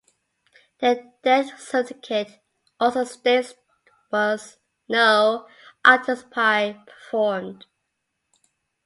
The death certificate also states there was no autopsy performed.